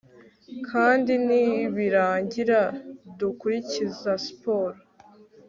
kandi nibirangira, dukurikiza siporo